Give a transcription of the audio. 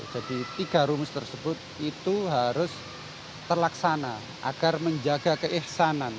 jadi tiga rumus tersebut itu harus terlaksana agar menjaga keikhsanan